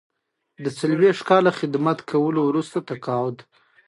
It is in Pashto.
د څلویښت کاله خدمت کولو وروسته تقاعد.